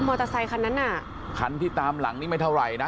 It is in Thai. อเตอร์ไซคันนั้นน่ะคันที่ตามหลังนี่ไม่เท่าไหร่นะ